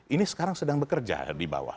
ini sekarang sedang bekerja di bawah